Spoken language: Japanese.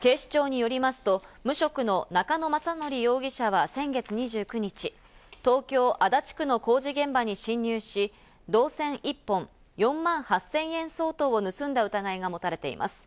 警視庁によりますと、無職の中野将範容疑者は先月２９日、東京・足立区の工事現場に侵入し、同線１本、４万８０００円相当を盗んだ疑いが持たれています。